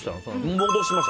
戻しました。